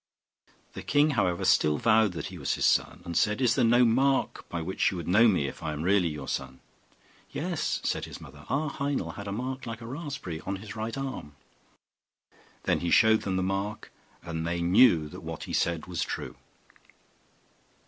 The king, however, still vowed that he was his son, and said, 'Is there no mark by which you would know me if I am really your son?' 'Yes,' said his mother, 'our Heinel had a mark like a raspberry on his right arm.' Then he showed them the mark, and they knew that what he had said was true.